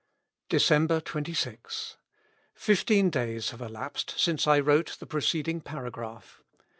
" December 26.— Fifteen days have elapsed since I wrote the preceding paragraph.